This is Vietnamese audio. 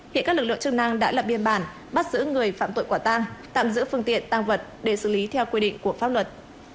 hiện các lực lượng chức năng đã lập biên bản bắt giữ người phạm tội quả tang tạm giữ phương tiện tăng vật để xử lý theo quy định của pháp luật